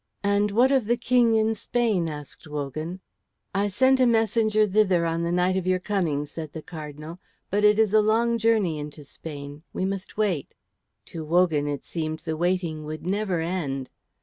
"And what of the King in Spain?" asked Wogan. "I sent a messenger thither on the night of your coming," said the Cardinal; "but it is a long journey into Spain. We must wait." To Wogan it seemed the waiting would never end.